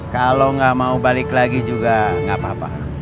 kalau nggak mau balik lagi juga nggak apa apa